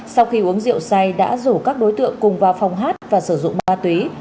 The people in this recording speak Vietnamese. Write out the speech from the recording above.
sau khi uống rượu say đã rủ các đối tượng cùng vào phòng hát và sử dụng ma túy